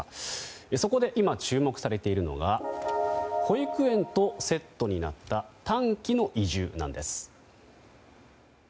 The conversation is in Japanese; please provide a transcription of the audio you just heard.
そこで今、注目されているのが保育園とセットになった短期の移住なんです。